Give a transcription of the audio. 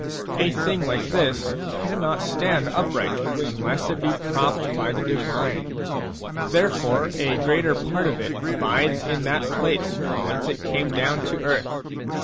A thing like this cannot stand upright unless it be propped by the divine. Therefore, a greater part of it abides in that place from whence it came down to earth.